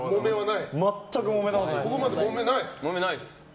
全くもめたことないです。